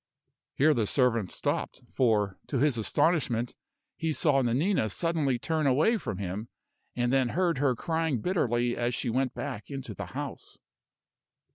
Here the servant stopped; for, to his astonishment, he saw Nanina suddenly turn away from him, and then heard her crying bitterly as she went back into the house.